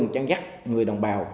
chăn rắt người đồng bào